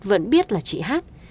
vẫn biết là chị hát